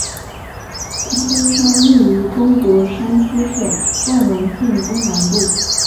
孤峰山位于中国山西省万荣县东南部。